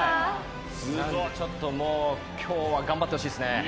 もう今日は頑張ってほしいですね。